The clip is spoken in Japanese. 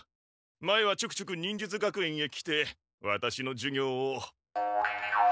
前はちょくちょく忍術学園へ来てワタシの授業を。